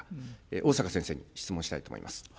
逢坂先生に質問したいと思います。